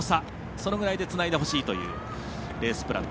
そのぐらいで、つないでほしいというレースプラン。